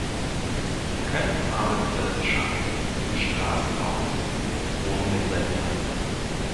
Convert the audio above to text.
Wir können Arbeitsplätze schaffen, Straßen bauen, Wohnungen sanieren.